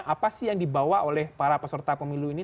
apa sih yang dibawa oleh para peserta pemilu ini